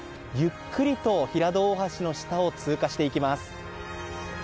ゆっくりと平戸大橋の下を通過していきます。